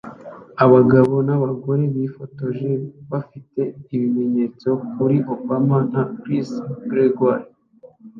Abagabo n'abagore bifotoje bafite ibimenyetso kuri Obama na Chris Gregoire